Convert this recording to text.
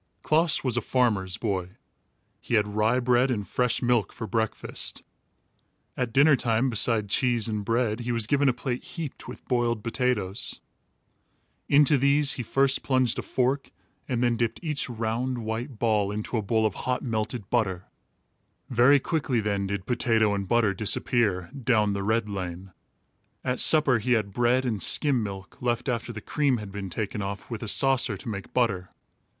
Klaas was a farmer's boy. He had rye bread and fresh milk for breakfast. At dinner time, beside cheese and bread, he was given a plate heaped with boiled potatoes. Into these he first plunged a fork and then dipped each round, white ball into a bowl of hot melted butter. Very quickly then did potato and butter disappear "down the red lane." At supper, he had bread and skim milk, left after the cream had been taken off, with a saucer, to make butter.